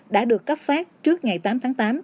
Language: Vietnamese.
đã được cấp phát trước ngày tám tháng tám